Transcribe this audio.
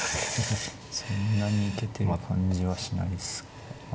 そんなに行けてる感じはしないですがまあ。